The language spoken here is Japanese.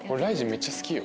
めっちゃ好きよ。